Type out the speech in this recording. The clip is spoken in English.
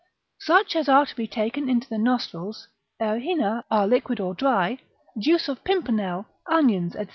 Such as are taken into the nostrils, errhina are liquid or dry, juice of pimpernel, onions, &c.